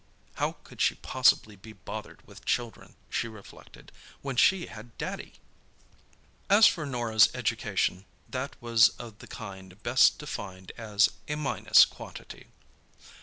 How could she possibly be bothered with children, she reflected, when she had Daddy? As for Norah's education, that was of the kind best defined as a minus quantity.